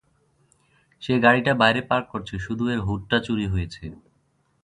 সে গাড়িটা বাইরে পার্ক করেছে, শুধু এর হুডটা চুরি হয়েছে।